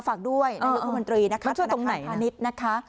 ฝากด้วยนักยกธุมันตรีนะคะธนาคารพาณิชย์นะคะ